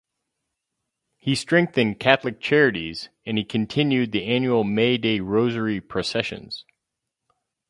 He strengthened Catholic Charities, and he continued the annual May Day rosary processions.